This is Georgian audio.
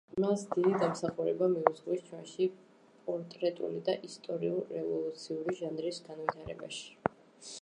მას დიდი დამსახურება მიუძღვის ჩვენში პორტრეტული და ისტორიულ-რევოლუციური ჟანრის განვითარებაში.